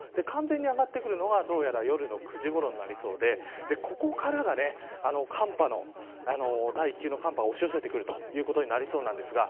完全に上がってくるのは夜の９時ごろになりそうでここからが寒波の第一級の寒波が、押し寄せてくるということになりそうです。